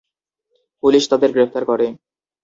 Police তাদের গ্রেফতার করে।